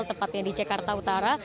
tepatnya di jakarta utara